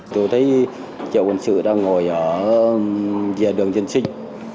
tôi thấy triệu quân sự đang ngồi ở dây đường dân sinh